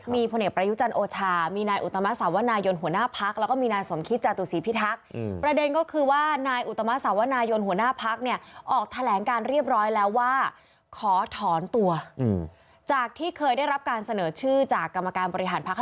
มีพลเอกประยุจรรย์โอชามีนายอุตมะสวนายยนต์หัวหน้าพัก